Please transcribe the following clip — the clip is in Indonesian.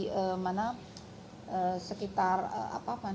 cuma tadi sebenarnya juga bersamaan